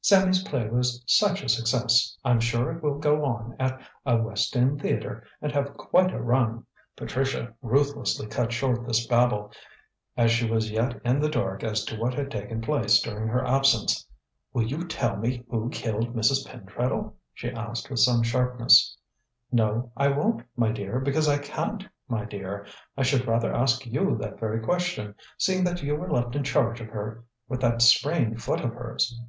"Sammy's play was such a success. I'm sure it will go on at a West End theatre and have quite a run." Patricia ruthlessly cut short this babble, as she was yet in the dark as to what had taken place during her absence. "Will you tell me who killed Mrs. Pentreddle?" she asked, with some sharpness. "No, I won't, my dear, because I can't, my dear. I should rather ask you that very question, seeing that you were left in charge of her with that sprained foot of hers.